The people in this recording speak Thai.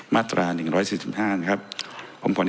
ก็คือไปร้องต่อสารปกครองกลาง